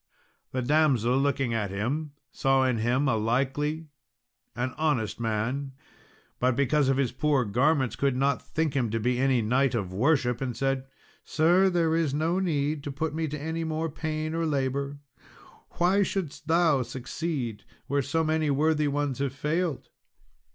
The damsel looking at him, saw in him a likely an honest man, but because of his poor garments could not think him to be any knight of worship, and said, "Sir, there is no need to put me to any more pain or labour; why shouldst thou succeed where so many worthy ones have failed?"